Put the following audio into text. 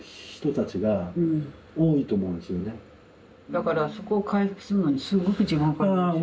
だからそこを回復するのにすっごく時間かかるんですよ。